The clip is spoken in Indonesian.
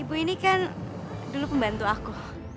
aku dulu pembantu aku